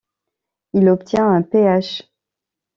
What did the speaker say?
Il obtient un Ph.